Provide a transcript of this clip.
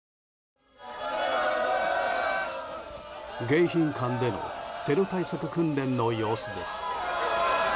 迎賓館でのテロ対策訓練の様子です。